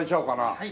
はい。